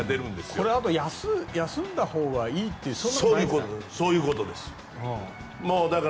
これ休んだほうがいいっていうそんなことないんですか？